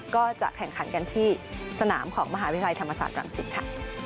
ก็จะแข่งขันกันที่สนามของมหาวิทยาลัยธรรมศาสตร์รังสิตค่ะ